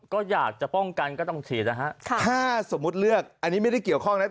ก็อยากจะป้องกันก็ต้องฉีดนะฮะถ้าสมมุติเลือกอันนี้ไม่ได้เกี่ยวข้องนะ